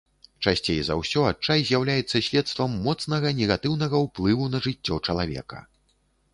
Часцей за ўсё адчай з'яўляецца следствам моцнага негатыўнага ўплыву на жыццё чалавека.